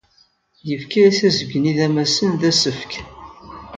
Yefka-as azebg n yidamasen d asefk.